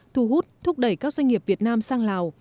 thu hút thúc đẩy các doanh nghiệp việt nam sang lào